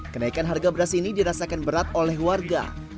kenaikan harga beras ini dirasakan berat oleh warga